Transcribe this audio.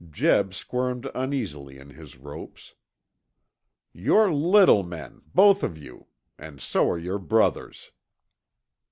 Jeb squirmed uneasily in his ropes. "You're little men, both of you, and so are your brothers."